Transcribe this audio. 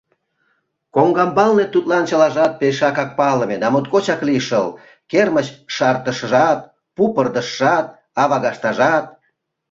Коҥгамбалне тудлан чылажат пешакак палыме да моткочак лишыл: кермыч шартышыжат, пу пырдыжшат, авагаштажат.